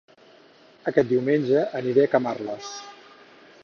Aquest diumenge aniré a Camarles